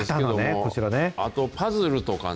あとパズルとかね。